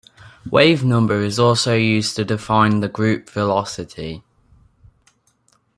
Wavenumber is also used to define the group velocity.